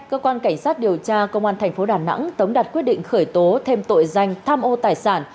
cơ quan cảnh sát điều tra công an thành phố đà nẵng tống đặt quyết định khởi tố thêm tội danh tham ô tài sản